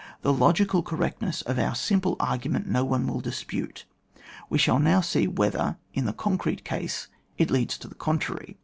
The logical correctness of our simple argument no one will dispute ; we shall now see whether in the concrete case it leads to the contrary.